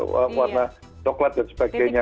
warna coklat dan sebagainya